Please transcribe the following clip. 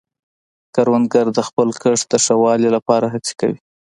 کروندګر د خپل کښت د ښه والي لپاره هڅې کوي